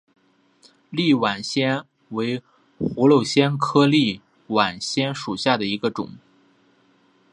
立碗藓为葫芦藓科立碗藓属下的一个种。